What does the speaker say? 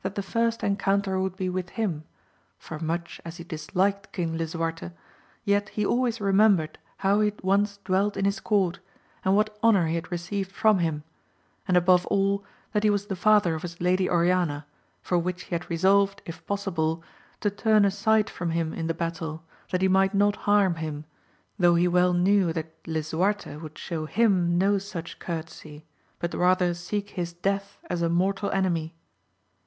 the first encounter would be with him; for much as he disliked King Lisuarte, yet he always remembered how he had once dwelt in his court, and what honour he had received from him, and above all that he was the father of his lady Oriana, for which he had re solved, if possible, to turn aside from him in the battle, that he might not harm him, though he well knew that Lisuarte would show him no such courtesy, but rather seek his death as a mortal enemy.